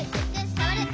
さわる！」